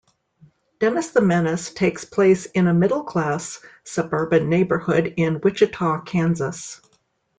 "Dennis the Menace" takes place in a middle-class suburban neighborhood in Wichita, Kansas.